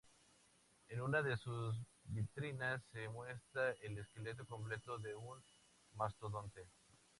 En una de sus vitrinas se muestra el esqueleto completo de un mastodonte.